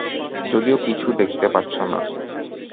যদিও কিছু দেখতে পাচ্ছো না।